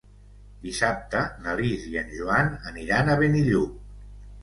Dissabte na Lis i en Joan aniran a Benillup.